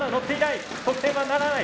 得点はならない。